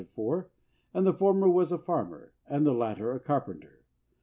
5 LINCOLN THE LAWYER was a farmer, and the latter a carpenter.